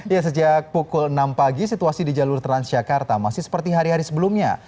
ya sejak pukul enam pagi situasi di jalur transjakarta masih seperti hari hari sebelumnya